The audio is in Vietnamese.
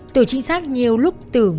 tử trinh sát nhiều lúc tưởng